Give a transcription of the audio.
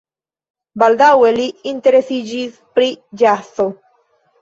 Baldaŭe li interesiĝis pri ĵazo.